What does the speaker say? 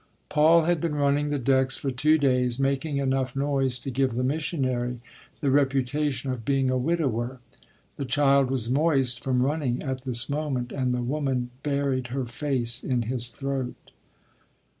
Paul had been running the decks for two days, making enough noise to give the missionary the reputation of being a widower. The child was moist from running at this moment, and the woman buried her face in his throat.